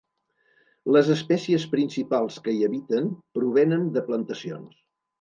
Les espècies principals que hi habiten provenen de plantacions.